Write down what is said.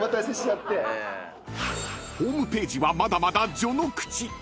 ［ホームページはまだまだ序の口］